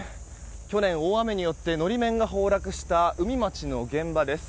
去年、大雨によって法面が崩落した宇美町の現場です。